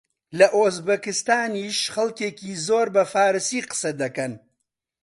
لە ئوزبەکستانیش خەڵکێکی زۆر بە فارسی قسە دەکەن